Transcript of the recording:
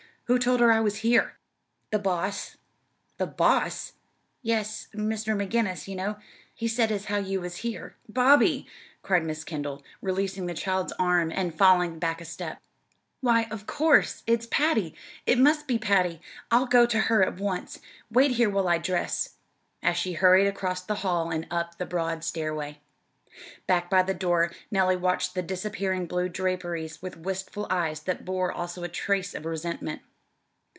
Who told her I was here?" "The boss." "The boss!" "Yes. Mr. McGinnis, ye know. He said as how you was here." "Bobby!" cried Miss Kendall, releasing the child's arm and falling back a step. "Why, of course, it's Patty it must be Patty! I'll go to her at once. Wait here while I dress." And she hurried across the hall and up the broad stairway. Back by the door Nellie watched the disappearing blue draperies with wistful eyes that bore also a trace of resentment.